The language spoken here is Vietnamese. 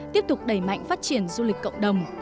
tiếp tục đẩy mạnh phát triển du lịch cộng đồng